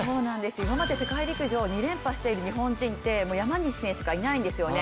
今まで世界陸上２連覇している日本人って山西選手しかいないんですよね。